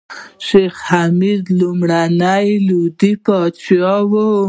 شېخ حمید لومړی لودي پاچا وو.